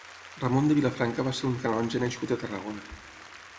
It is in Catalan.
Ramon de Vilafranca va ser un canonge nascut a Tarragona.